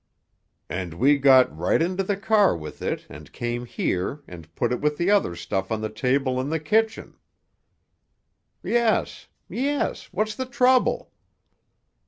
"And we got right into the car with it and came here and put it with the other stuff on the table in the kitchen——" "Yes—yes! What's the trouble?"